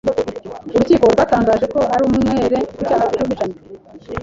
Urukiko rwatangaje ko ari umwere ku cyaha cy'ubwicanyi.